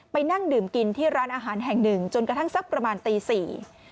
นั่งดื่มกินที่ร้านอาหารแห่งหนึ่งจนกระทั่งสักประมาณตีสี่